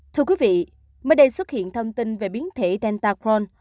thưa quý vị mới đây xuất hiện thông tin về biến thể delta cron